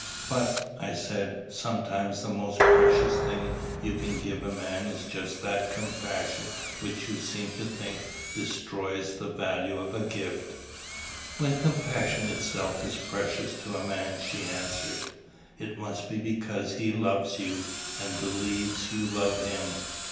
"But," I said, "sometimes the most precious thing you can give a man is just that compassion which you seem to think destroys the value of a gift." "When compassion itself is precious to a man," she answered, "it must be because he loves you, and believes you love him.